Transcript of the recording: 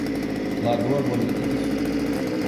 Lagoa Bonita do Sul